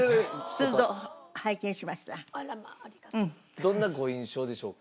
どんなご印象でしょうか？